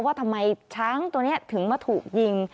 ว่าทำไมช้างตัวนี้ถึงมาถูกยิง